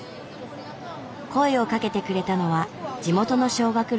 声をかけてくれたのは地元の小学６年生。